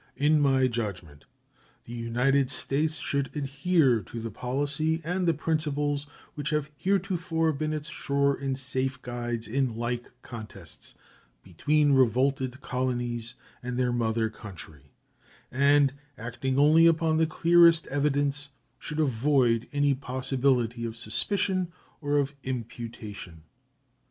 In my judgment the United States should adhere to the policy and the principles which have heretofore been its sure and safe guides in like contests between revolted colonies and their mother country, and, acting only upon the clearest evidence, should avoid any possibility of suspicion or of imputation.